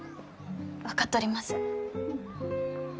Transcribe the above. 分かっとります。